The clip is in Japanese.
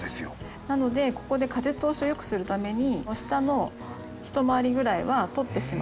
なのでここで風通しを良くするために下の一回りぐらいは取ってしまって大丈夫なんですね。